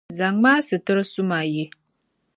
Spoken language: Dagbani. zaŋm’ a situr’ suma ye.